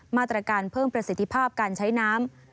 มาตรการเพิ่มประสิทธิภาพการใช้น้ำ